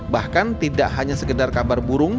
bahkan tidak hanya sekedar kabar burung